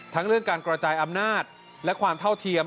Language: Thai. เรื่องการกระจายอำนาจและความเท่าเทียม